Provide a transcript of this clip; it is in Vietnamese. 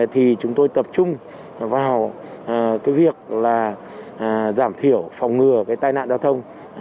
thì chúng tôi tập trung vào cái việc là giảm thiểu phòng ngừa cái tai nạn giao thông